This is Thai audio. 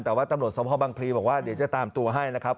แต่ว่าตำรวจสมภาพบังพลีบอกว่าเดี๋ยวจะตามตัวให้นะครับ